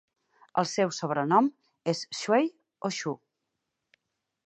El seu sobrenom és "Schuey" o "Schu".